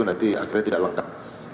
nanti akhirnya tidak lengkap